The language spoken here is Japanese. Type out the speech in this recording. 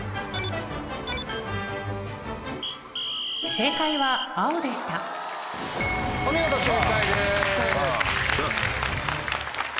正解は青でしたお見事正解です。